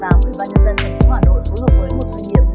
quý bà nhân dân hãy hỏa đội phối hợp với một doanh nghiệp